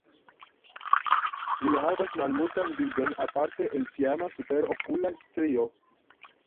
Ili havas malmultan bildon aparte el ĉiama superokula strio.